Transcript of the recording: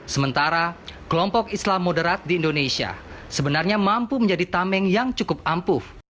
sementara kelompok islam moderat di indonesia sebenarnya mampu menjadi tameng yang cukup ampuh